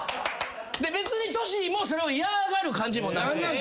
別にＴＯＳＨＩもそれを嫌がる感じもなく。